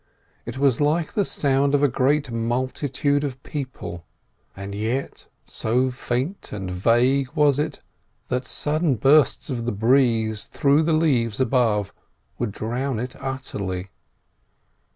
It was like the sound of a great multitude of people, and yet so faint and vague was it that sudden bursts of the breeze through the leaves above would drown it utterly.